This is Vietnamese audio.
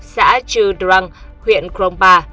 xã chư đrăng huyện krongpa